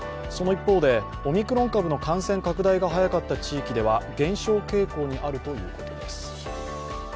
その一方で、オミクロン株の感染拡大が早かった地域では減少傾向にあるということです。